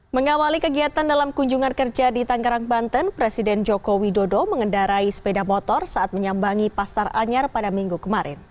mengawali kegiatan dalam kunjungan kerja di tangerang banten presiden joko widodo mengendarai sepeda motor saat menyambangi pasar anyar pada minggu kemarin